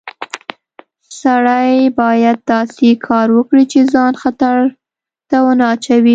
سړی باید داسې کار وکړي چې ځان خطر ته ونه اچوي